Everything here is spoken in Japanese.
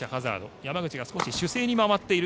山口が少し守勢に回っている。